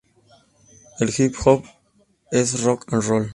El hip hop es rock’n’roll".